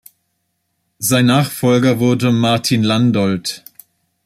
Sein Nachfolger wurde Martin Landolt.